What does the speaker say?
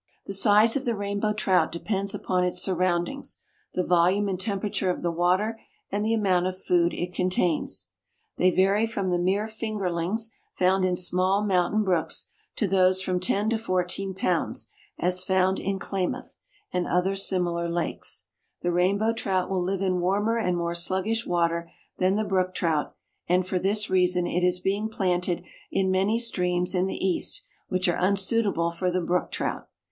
The size of the Rainbow Trout depends upon its surroundings, the volume and temperature of the water and the amount of food it contains. They vary from the mere fingerlings found in small mountain brooks to those from ten to fourteen pounds, as found in Klamath and other similar lakes. The Rainbow Trout will live in warmer and more sluggish water than the Brook Trout, and for this reason it is being planted in many streams in the east, which are unsuitable for the Brook Trout.